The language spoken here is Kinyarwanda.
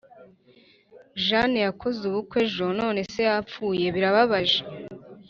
jane yakoze ubukwe ejo none se yapfuye. birababaje.